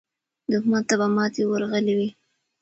دښمن ته به ماته ورغلې وي.